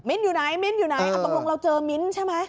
มิ้นท์อยู่ไหนมิ้นท์อยู่ไหนตรงเราเจอมิ้นท์ใช่ไหม